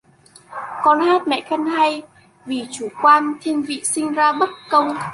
Con hát mẹ khen hay: vì chủ quan, thiên vị sinh ra bất công